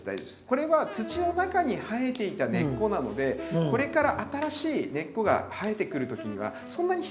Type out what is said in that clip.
これは土の中に生えていた根っこなのでこれから新しい根っこが生えてくる時にはそんなに必要がないんで。